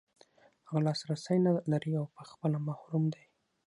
هغه لاسرسی نلري او په خپله محروم دی.